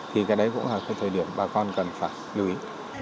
thì cái đấy cũng là cái thời điểm bà con cần phải lưu ý